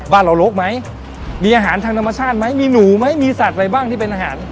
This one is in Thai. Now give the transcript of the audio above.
บ้านเราโรคไหมมีอาหารทางธรรมชาติไหมมีหนูไหมมีสัตว์อะไรบ้างที่เป็นอาหาร